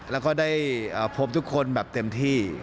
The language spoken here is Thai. แล้วก็ได้พบทุกคนแบบเต็มที่